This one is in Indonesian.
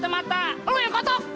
mata lu tuh